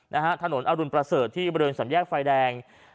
นะฮะถนนอรุณประเสริฐที่บริเวณสำแยกไฟแดง